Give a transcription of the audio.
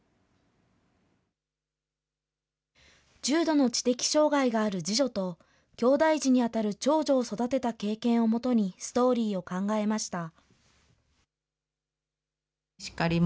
重度の知的障害がある次女と、きょうだい児に当たる長女を育てた経験をもとに、ストーリーを考えました。